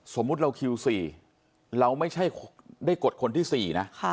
สมมุติเราคิว๔เราไม่ใช่ได้กดคนที่๔นะ